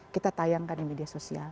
kita tayangkan di media sosial